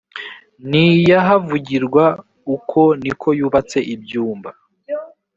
n iy ahavugirwa uko ni ko yubatse ibyumba